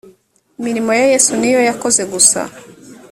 imirimo ya yesu niyo yakoze gusa.